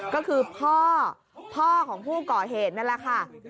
ก็คือพ่อพ่อของผู้ก่อเหตุนั่นแหละค่ะ